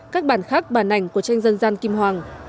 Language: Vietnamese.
các bản khác bản ảnh của tranh dân gian kim hoàng